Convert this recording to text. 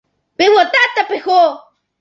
¡Peguata, tapeho!